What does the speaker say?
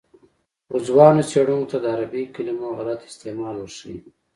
خو ځوانو څېړونکو ته د عربي کلمو غلط استعمال ورښيي.